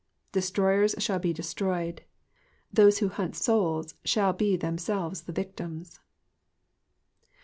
Destroyers shall be destroyed. Those who hunt souls shall be themselves the victims.